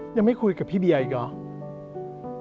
ยังไม่คุยกับพี่เบียร์อีกหรอ